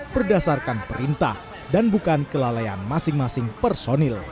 berdasarkan perintah dan bukan kelalaian masing masing personil